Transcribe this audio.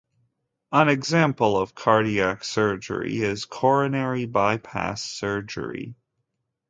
An example of cardiac surgery is coronary bypass surgery.